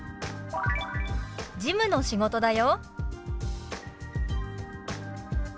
「事務の仕事だよ」。